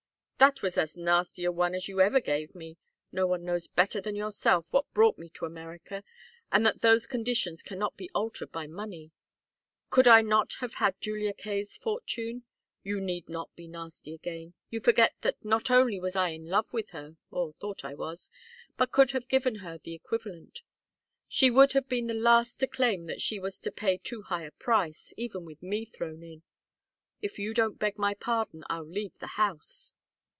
"That was as nasty a one as you ever gave me! No one knows better than yourself what brought me to America, and that those conditions cannot be altered by money. Could I not have had Julia Kaye's fortune? You need not be nasty again! You forget that not only was I in love with her or thought I was but could have given her the equivalent. She would be the last to claim that she was to pay too high a price, even with me thrown in. If you don't beg my pardon I'll leave the house."